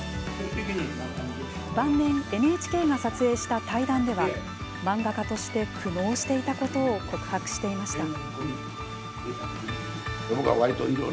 晩年、ＮＨＫが撮影した対談では漫画家として苦悩していたことを告白していました。